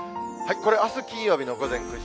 これ、あす金曜日の午前９時。